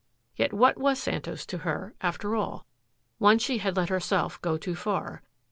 Yet what was Santos to her, after all? Once she had let herself go too far.